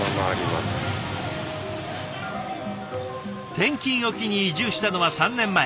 転勤を機に移住したのは３年前。